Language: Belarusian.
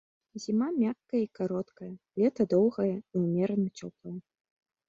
Зіма мяккая і кароткая, лета доўгае і ўмерана цёплае.